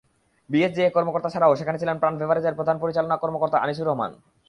BSJA কর্মকর্তারা ছাড়াও সেখানে ছিলেন প্রাণ বেভারেজের প্রধান পরিচালন কর্মকর্তা আনিছুর রহমান।